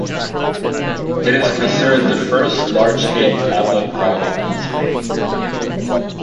It is considered the first large-scale tabloid project in Spain.